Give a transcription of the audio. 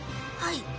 はい。